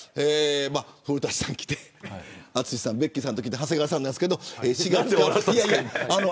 古舘さんがきて淳さん、ベッキーさんときて長谷川さんなんですけど。なんで笑ったんですか。